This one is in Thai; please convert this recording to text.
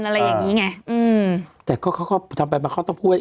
อะไรอย่างงี้ไงอืมแต่ก็เขาก็ทำไปมาเขาต้องพูดว่า